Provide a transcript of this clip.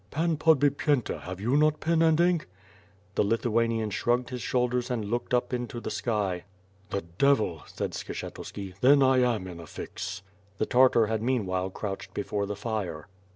"Pan Podbipyenta, have you not pen and ink?'' The Lithuanian shrugged his shoulders and looked up into the f y. "The devil," said Skshetuski, "then 1 am in a fix." The Tartar had meanwhile crouched before the fire.